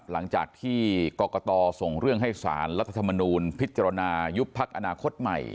หลังจากที่กรกตส่งเรื่องให้สารรัฐธรรมนูลพิจารณายุบพักอนาคตใหม่